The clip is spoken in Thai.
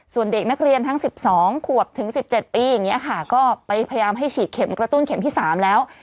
ส่วนเด็กนักเรียนทั้ง๑๒ขวบถึง๑๗ปีอย่างนี้ค่ะก็ไปพยายามให้ฉีดเข็มกระตุ้นเข็มที่๓แล้ว